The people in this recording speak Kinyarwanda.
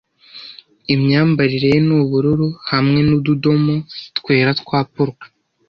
Imyambarire ye ni ubururu hamwe nududomo twera twa polka.